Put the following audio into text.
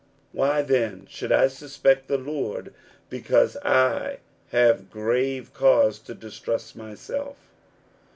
Why, then, should I suspect the Lord because I have grave cause to distrust myself?